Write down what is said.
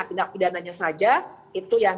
tindak pidananya saja itu yang